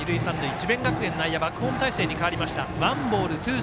智弁学園、内野バックホーム態勢に変わりました。